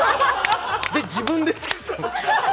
で、自分でつけたんです。